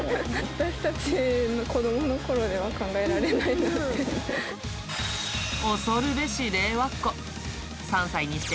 私たちの子どものころでは考えられないなって。